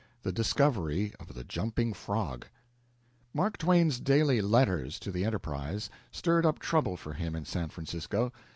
THE DISCOVERY OF "THE JUMPING FROG" Mark Twain's daily letters to the "Enterprise" stirred up trouble for him in San Francisco.